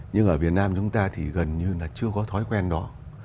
nhưng ở việt nam chúng ta thì gần như là chưa có thói quen đó